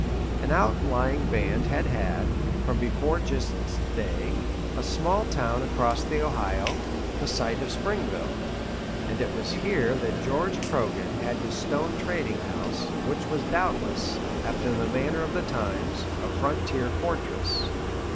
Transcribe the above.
An outlying band had had, from before Gist's day, a small town across the Ohio, the site of Springville; and it was here that George Croghan had his stone trading house, which was doubtless, after the manner of the times, a frontier fortress.